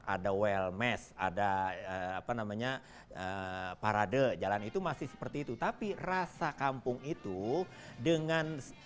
ada wellmes ada apa namanya parade jalan itu masih seperti itu tapi rasa kampung itu dengan